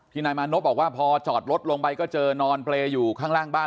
นายมานพบอกว่าพอจอดรถลงไปก็เจอนอนเปรย์อยู่ข้างล่างบ้าน